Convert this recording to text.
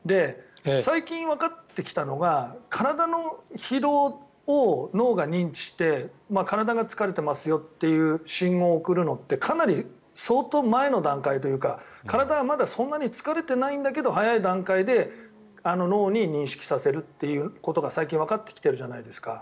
最近わかってきたのが体の疲労を脳が認知して体が疲れてますよという信号を送るのってかなり相当前の段階というか体はまだそんなに疲れてないんだけど早い段階で脳に認識させるということが最近わかってきているじゃないですか。